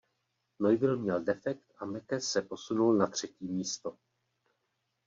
Neuville měl defekt a Meeke se posunul na třetí místo.